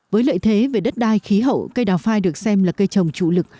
với lợi thế về đất đai khí hậu cây đào phai được xem là cây trồng chủ lực